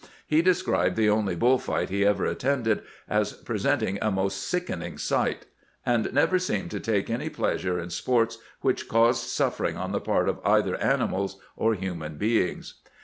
He described the only bull fight he ever attended as presenting " a most sick ening sight," and never seemed to take any pleasure in sports which caused suffering on the part of either ani mals or human beings.